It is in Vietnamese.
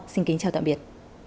xin chào tạm biệt